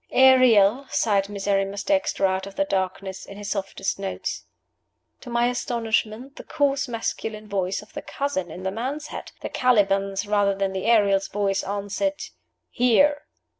"Ariel!" sighed Miserrimus Dexter out of the darkness, in his softest notes. To my astonishment the coarse, masculine voice of the cousin in the man's hat the Caliban's, rather than the Ariel's voice answered, "Here!"